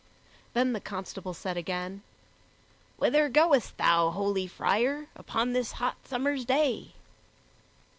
Then the constable said again, "Whither goest thou, holy friar, upon this hot summer's day?"